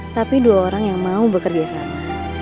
tapi dua orang yang mau bekerja sama